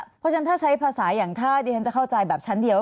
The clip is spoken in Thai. เพราะฉะนั้นถ้าใช้ภาษาอย่างถ้าดิฉันจะเข้าใจแบบชั้นเดียว